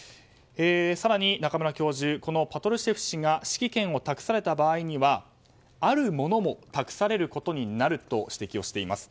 更に、中村教授パトルシェフ氏が指揮権を託された場合にはあるものも託されることになると指摘をしています。